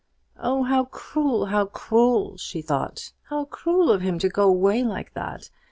"Oh, how cruel, how cruel!" she thought. "How cruel of him to go away like that!